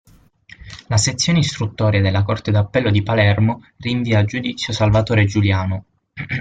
La sezione istruttoria della Corte d'appello di Palermo rinvia a giudizio Salvatore Giuliano.